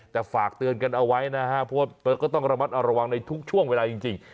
แต่ฝากเตือนกันเอาไว้นะครับเพราะว่าก็ต้องระมัดระวังในทุกช่วงเวลาจริง